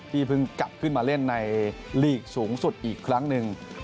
เพิ่งกลับขึ้นมาเล่นในลีกสูงสุดอีกครั้งหนึ่ง